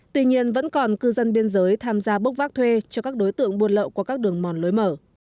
tuy nhiên vẫn còn cư dân biên giới tham gia bốc vác thuê cho các đối tượng buôn lậu qua các đường mòn lối mở